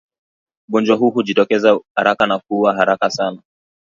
Ugonjwa huu hujitokeza haraka na kuua haraka sana